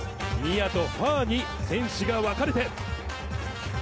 ニアとファーに選手が分かれて。